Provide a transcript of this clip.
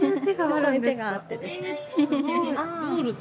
そういう手があってですね。